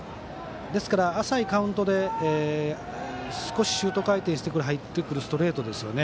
ですから、浅いカウントで少しシュート回転で入ってくるストレートですね。